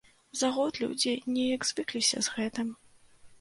За год людзі неяк звыкліся з гэтым.